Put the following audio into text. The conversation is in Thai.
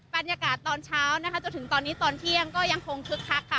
บรรยากาศตอนเช้านะคะจนถึงตอนนี้ตอนเที่ยงก็ยังคงคึกคักค่ะ